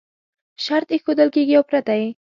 شرط ایښودل کېږي او پرته یې